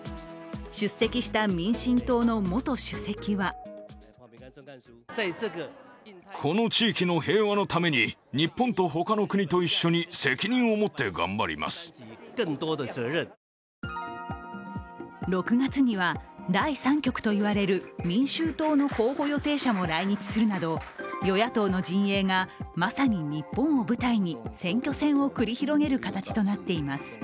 出席した民進党の元主席は６月には、第三極と言われる民衆党の候補予定者も来日するなど与野党の陣営がまさに日本を舞台に選挙戦を繰り広げる形となっています。